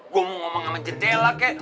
gue mau ngomong sama jendela kek